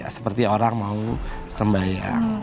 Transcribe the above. seperti orang mau sembahyang